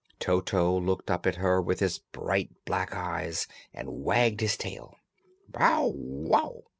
Toto looked up at her with his bright black eyes and wagged his tail. "Bow wow!"